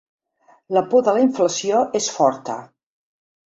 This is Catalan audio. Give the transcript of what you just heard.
La por de la inflació és forta.